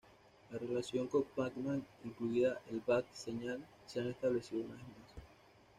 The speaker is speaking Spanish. La relación con Batman, incluida la Bat-señal, se han establecido una vez más.